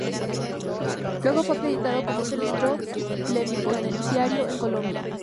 Luego fue acreditado como ministro plenipotenciario en Colombia.